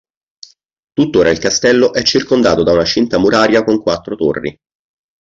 Tuttora il castello è circondato da una cinta muraria con quattro torri.